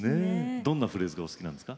どんなフレーズが好きなんですか？